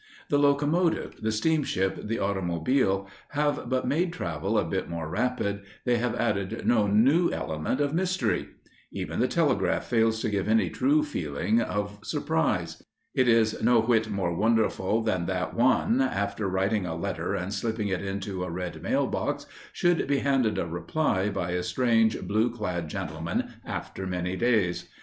The locomotive, the steamship, the automobile have but made travel a bit more rapid, they have added no new element of mystery. Even the telegraph fails to give any true feeling of surprise. It is no whit more wonderful than that one, after writing a letter and slipping it into a red mail box, should be handed a reply by a strange, blue clad gentleman, after many days.